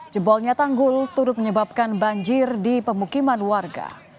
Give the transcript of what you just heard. jebolnya tanggul turut menyebabkan banjir di pemukiman warga